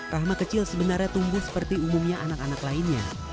rahma kecil sebenarnya tumbuh seperti umumnya anak anak lainnya